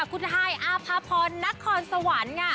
คุณไทยอาภาพรนักคอนสวรรค์